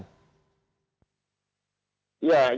ya jadi untuk yang keempat